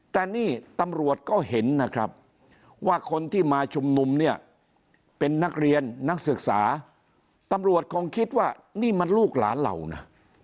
แต่นี่ตำรวจก็เห็นนะครับว่าคนที่มาชุมนุมเนี่ยเป็นนักเรียนนักศึกษาตำรวจคงคิดว่านี่มันลูกหลานเรานะ